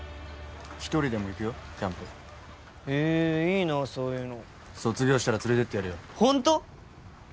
１人でも行くよキャンプへえいいなそういうの卒業したら連れてってやるよホント！？